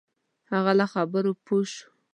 هغه له خبرو پوه شوی.